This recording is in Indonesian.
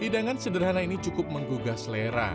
hidangan sederhana ini cukup menggugah selera